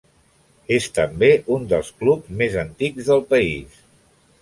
És també un dels clubs més antics del país.